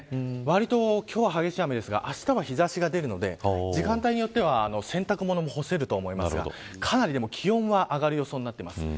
わりと今日は激しい雨ですがあしたは日差しが出るので時間帯によっては洗濯物も干せると思いますがかなり気温は上がる予想です。